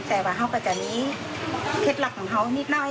แต่ว่าเอากับแต่นี้เคล็ดหลักของเอานิดนึงน้อย